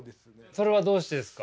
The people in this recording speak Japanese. それはどうしてですか？